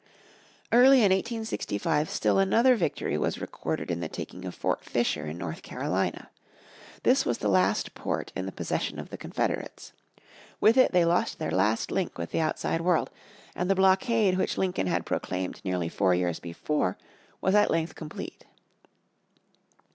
Early in 1865 still another victory was recorded in the taking of Fort Fisher in North Carolina. This was the last port in the possession of the Confederates. With it, they lost their last link with the outside world, and the blockade which Lincoln had proclaimed nearly four years before was at length complete.